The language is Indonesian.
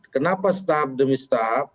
kenapa setahap demi setahap